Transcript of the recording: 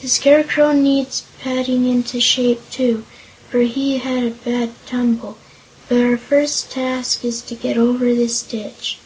The Scarecrow needs patting into shape, too, for he had a bad tumble, but our first task is to get over this ditch."